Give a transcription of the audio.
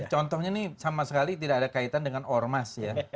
contohnya ini sama sekali tidak ada kaitan dengan ormas ya